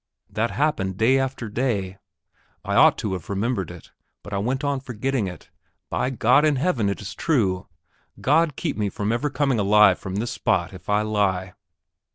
That happened day after day. I ought to have remembered it; but I went on forgetting it by God in Heaven, it is true! God keep me from ever coming alive from this spot if I lie.